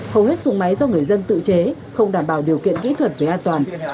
hầu hết xuồng máy do người dân tự chế không đảm bảo điều kiện kỹ thuật về an toàn